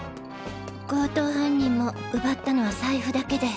強盗犯人も奪ったのは財布だけで。